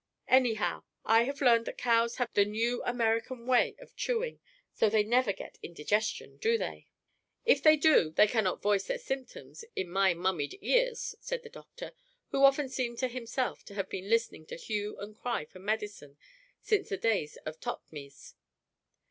"Anyhow, I have learned that cows have the new American way of chewing; so they never get indigestion, do they?" "If they do, they cannot voice their symptoms in my mummied ears," said the doctor, who often seemed to himself to have been listening to hue and cry for medicine since the days of Thotmes.